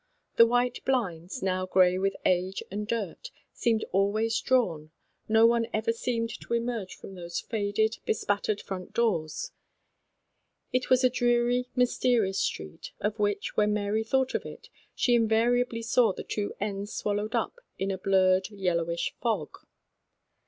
The white blinds— now grey with age and dirt seemed always drawn; no one ever seemed to emerge from those faded, bespattered front doors. It was a dreary, louche, mysterious 83 84 THE STORY OF A MODERN WOMAN. street, of which, when Mary thought of it, she invariably saw the two ends swallowed up in a dingy, yellowish fog.